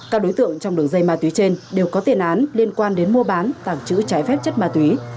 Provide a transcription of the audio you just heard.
các đối tượng trong đường dây ma túy trên đều có tiền án liên quan đến mua bán tàng trữ trái phép chất ma túy